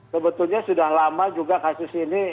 sebetulnya sudah lama juga kasus ini